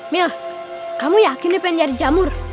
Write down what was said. mil kamu yakin dia pengen jadi jamur